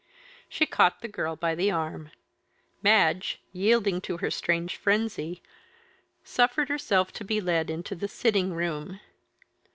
She caught the girl by the arm. Madge, yielding to her strange frenzy, suffered herself to be led into the sitting room.